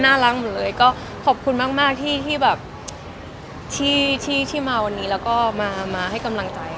น่ารักหมดเลยก็ขอบคุณมากมากที่ที่แบบที่ที่ที่มาวันนี้แล้วก็มามาให้กำลังใจค่ะ